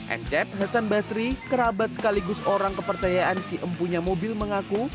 encep hasan basri kerabat sekaligus orang kepercayaan si empunya mobil mengaku